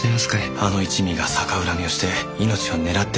あの一味が逆恨みをして命を狙ってるらしいんだ。